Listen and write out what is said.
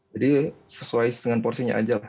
jadi sesuai dengan porsinya aja lah